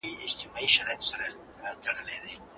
نړیوال قوانین د ټولو ملتونو لپاره یو شان او عادلانه دي.